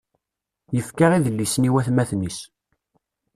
Yefka idlisen i watmaten-is.